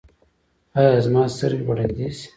ایا زما سترګې به ړندې شي؟